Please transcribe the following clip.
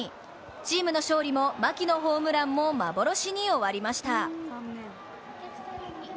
チームの勝利も牧のホームランも幻に終わりました。